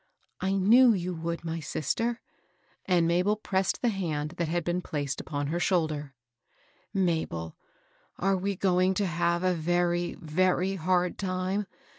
^^" I knew you would, my sister." And Mabel pressed the hand that had been placed upon her shoulder. COLD NOVEMBER. 198 " Mabel, are we going to have a very, very hard time